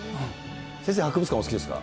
先生、博物館お好きですか？